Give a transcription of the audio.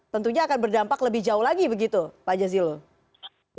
tentunya akan berdampak lebih jauh lagi begitu pak jazilul